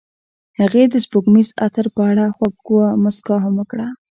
هغې د سپوږمیز عطر په اړه خوږه موسکا هم وکړه.